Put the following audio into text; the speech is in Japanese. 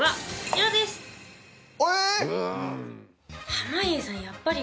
濱家さんやっぱり。